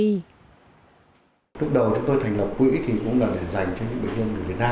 lúc đầu chúng tôi thành lập quỹ thì cũng là để dành cho những bệnh nhân